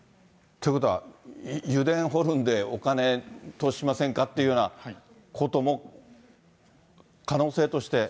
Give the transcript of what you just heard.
ということは、油田掘るんでお金、投資しませんか？というようなことも、可能性として。